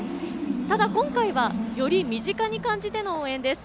ただ、今回はより身近に感じての応援です。